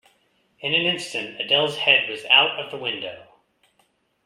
In an instant Adele's head was out of the window.